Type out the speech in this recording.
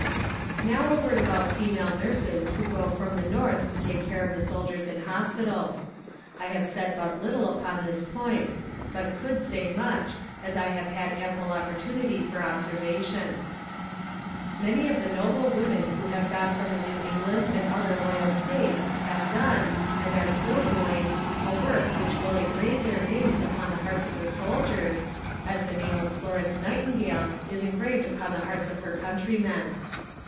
Now a word about female nurses who go from the North to take care of the soldiers in hospitals. I have said but little upon this point, but could say much, as I have had ample opportunity for observation. Many of the noble women who have gone from the New England and other loyal States have done, and are still doing, a work which will engrave their names upon the hearts of the soldiers, as the name of Florence Nightingale is engraved upon the hearts of her countrymen.